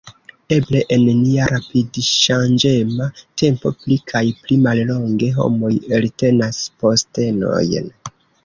Eble en nia rapidŝanĝema tempo pli kaj pli mallonge homoj eltenas postenojn.